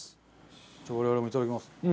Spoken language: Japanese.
じゃあ我々もいただきます。